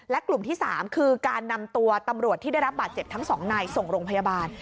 และกลุ่มที่๓คือการนำตัวตำรวจที่ได้รับบาดเจ็บทั้งสองนายส่งโรงพยาบาล